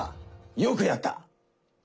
よくやった！